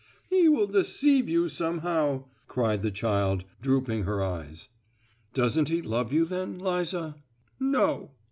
"He will deceive you somehow!" cried the child, drooping her eyes. "Doesn't he love you, then, Liza?" "No."